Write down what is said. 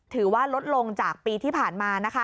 ถือว่าลดลงจากปีที่ผ่านมานะคะ